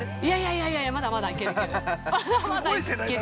◆いやいやいやまだまだ行ける行ける。